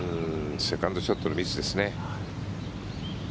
セカンドショットのミスですね。